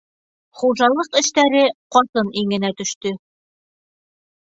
Хужалыҡ эштәре ҡатын иңенә төштө.